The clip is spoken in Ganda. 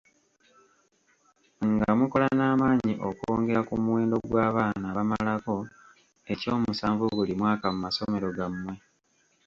Nga mukola n'amaanyi okwongera ku muwendo gw'abaana abamalako ekyomusanvu buli mwaka mu masomero gammwe.